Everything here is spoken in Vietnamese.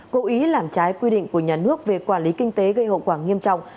cố ý làm trái quy định của nhà nước về quản lý kinh tế gây hậu quả nghiêm trọng